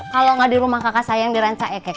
kalau nggak di rumah kakak saya yang dirancang ekek